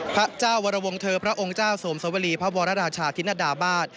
พระเจ้าวรวงเธอพระองค์เจ้าสวมสวรีพระวรราชาธินดามาศ